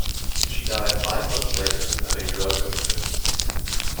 She died five months later of a drug overdose.